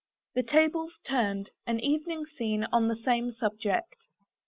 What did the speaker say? THE TABLES TURNED; AN EVENING SCENE, ON THE SAME SUBJECT.